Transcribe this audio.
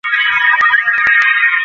হঠাৎ একটা জিনিস লক্ষ করলাম।